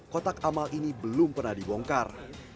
kotak amal ini belum pernah dibongkar